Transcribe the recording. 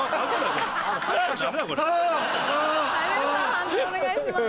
判定お願いします。